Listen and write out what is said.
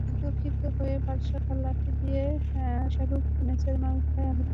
এতে ক্ষিপ্ত হয়ে বাদশা খাঁ লাঠি দিয়ে শাহারুননেছার মাথায় আঘাত করেন।